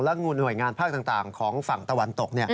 งูหน่วยงานภาคต่างของฝั่งตะวันตก